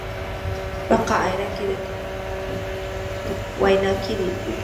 په قاهره کې د ټولنې په مقر کې وینا وکړي.